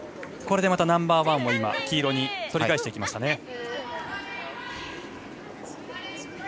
これでナンバーワンを黄色に取り返していきましたね。